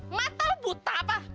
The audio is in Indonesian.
mata lu buta apa